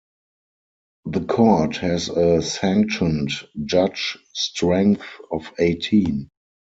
The court has a sanctioned judge strength of eighteen.